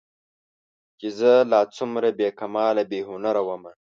چې زه لا څومره بې کماله بې هنره ومه